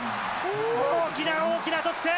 大きな大きな得点！